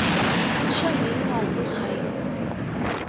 雖然我唔係